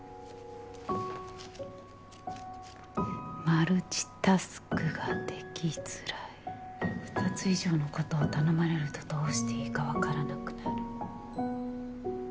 ・・「マルチタスクができづらい」「２つ以上のことを頼まれるとどうしていいか分からなくなる」